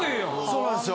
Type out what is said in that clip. そうなんですよ